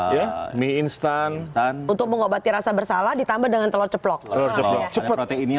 ya mi instan dan untuk mengobati rasa bersalah ditambah dengan telur ceplok telur cepat ini